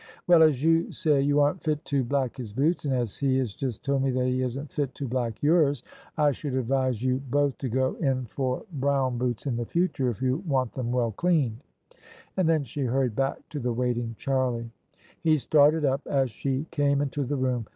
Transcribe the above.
" Well, as you say you aren't fit to black his boots, and as he has just told me that he isn't fit to black yours, I should advise you both to go in for brown OF ISABEL CARNABY boots in the future, if you want them well cleaned! " And then she hurried back to the waiting Charlie. He started up as she came into the room.